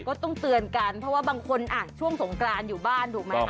ก็ต้องเตือนกันเพราะว่าบางคนช่วงสงกรานอยู่บ้านถูกไหม